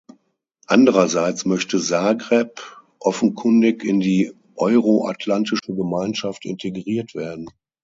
Andererseits möchte Zagreb offenkundig in die euroatlantische Gemeinschaft integriert werden.